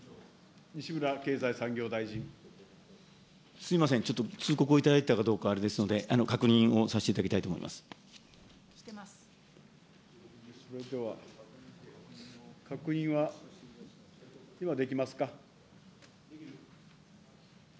すみません、ちょっと通告を頂いていたかどうかあれですので、確認をさせていただきたいと思いそれでは、確認は、今できますか。